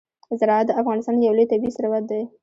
زراعت د افغانستان یو لوی طبعي ثروت دی.